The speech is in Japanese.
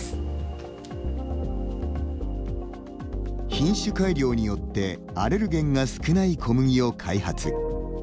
品種改良によってアレルゲンが少ない小麦を開発。